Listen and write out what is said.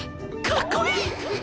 かっこいい！